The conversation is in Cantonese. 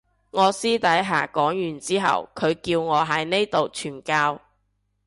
我私底下講完之後佢叫我喺呢度傳教